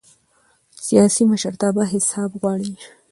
سیاسي مشرتابه حساب غواړي